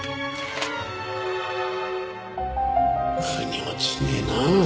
腑に落ちねえな。